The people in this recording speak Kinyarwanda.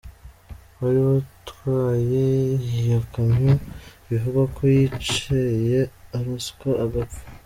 Uwari atwaye iyo kamyo bivugwa ko yaciye araswa agapfa.